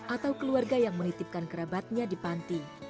atau keluarga yang menitipkan kerabatnya di panti